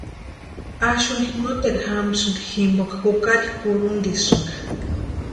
Axuni noteru jamsïnti jimpoka jukari kurhintisïnka.